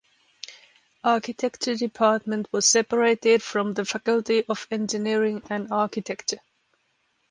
Architecture department was separated from the Faculty of Engineering and Architecture.